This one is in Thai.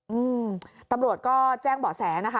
อืมตำรวจก็แจ้งเบาะแสนะคะ